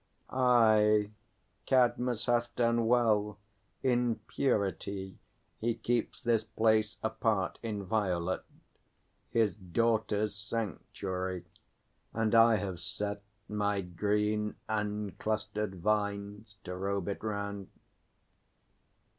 Aye, Cadmus hath done well; in purity He keeps this place apart, inviolate, His daughter's sanctuary; and I have set My green and clustered vines to robe it round.